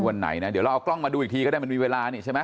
วันไหนนะเดี๋ยวเราเอากล้องมาดูอีกทีก็ได้มันมีเวลานี่ใช่ไหม